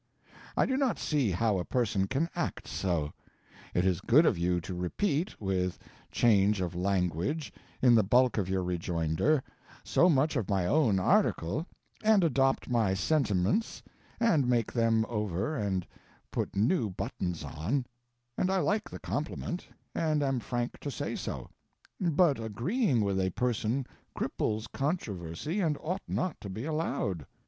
I do not see how a person can act so. It is good of you to repeat, with change of language, in the bulk of your rejoinder, so much of my own article, and adopt my sentiments, and make them over, and put new buttons on; and I like the compliment, and am frank to say so; but agreeing with a person cripples controversy and ought not to be allowed.